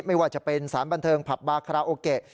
ไม่ว่าจะเป็นสารบันเทิงผับบาคาราโอเกะ